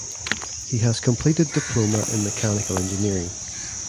He has completed Diploma in Mechanical Engineering.